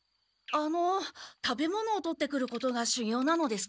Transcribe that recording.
あの食べ物をとってくることがしゅぎょうなのですか？